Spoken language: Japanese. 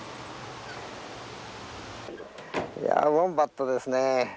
ウォンバットですね。